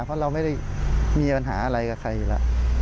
เพราะเราไม่ได้มีปัญหาอะไรกับใครอยู่แล้ว